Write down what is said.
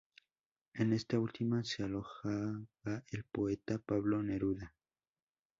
En esta última se alojaba el poeta Pablo Neruda.